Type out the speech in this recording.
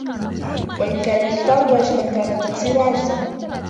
وَإِنْ كَانَ الْإِكْثَارُ وَاجِبًا كَانَ التَّقْصِيرُ عَجْزًا